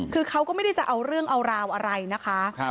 คือเขาก็ไม่ได้จะเอาเรื่องเอาราวอะไรนะคะ